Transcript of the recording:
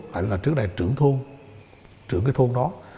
phải là trước đây trưởng thôn trưởng cái thôn đó